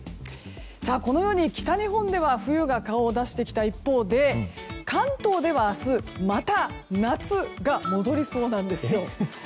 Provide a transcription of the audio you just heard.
このように北日本では冬が顔を出してきた一方で関東では明日また夏が戻りそうなんですよ。